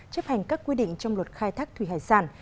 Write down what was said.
chấp hành các quy định trong luật khai thác thủy hải sản